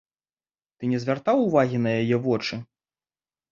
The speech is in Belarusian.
Ты не звяртаў увагі на яе вочы?